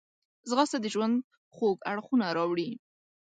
ځغاسته د ژوند خوږ اړخونه راوړي